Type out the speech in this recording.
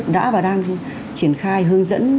đã và đang triển khai hướng dẫn